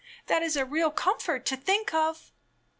"That is a real comfort to think of."